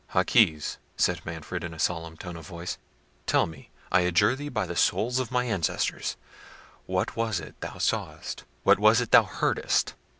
"Jaquez," said Manfred, in a solemn tone of voice; "tell me, I adjure thee by the souls of my ancestors, what was it thou sawest? what was it thou heardest?"